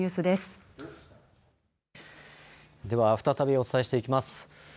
では再びお伝えしていきます。